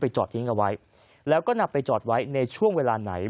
จอดทิ้งเอาไว้แล้วก็นำไปจอดไว้ในช่วงเวลาไหน